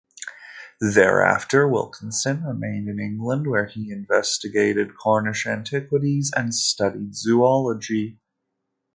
Thereafter, Wilkinson remained in England where he investigated Cornish antiquities and studied zoology.